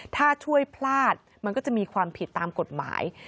ถ้าช่วยพลาดมันก็จะมีความผิดตามกฎหมาย